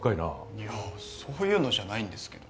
いやそういうのじゃないんですけど。